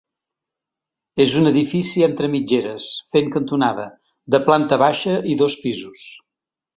És un edifici entre mitgeres, fent cantonada, de planta baixa i dos pisos.